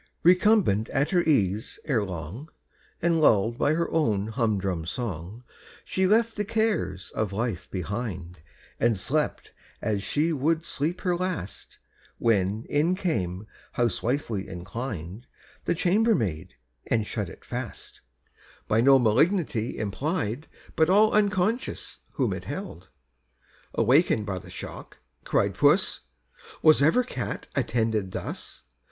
Recumbent at her ease, ere long, And lull'd by her own humdrum song, She left the cares of life behind, And slept as she would sleep her last, When in came, housewifely inclined, The chambermaid, and shut it fast; By no malignity impell'd, But all unconscious whom it held. Awaken'd by the shock (cried Puss) "Was ever cat attended thus?